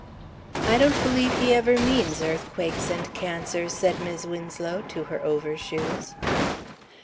"I don't believe he ever means earthquakes and cancers," said Mis' Winslow, to her overshoes.